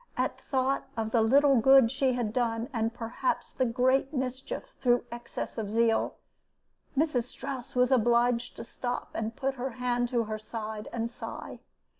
At thought of the little good she had done, and perhaps the great mischief, through excess of zeal, Mrs. Strouss was obliged to stop, and put her hand to her side, and sigh.